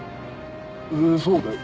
えそうだよ。